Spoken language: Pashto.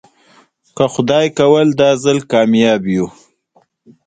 په کور کې د ناروغیو مخه نیول کیږي.